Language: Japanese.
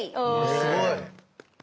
すごい！